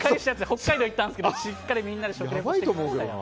北海道行ったんですけどしっかり食リポしました。